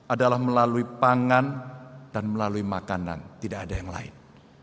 adalah melalui pangan dan melalui makanan tidak ada yang lain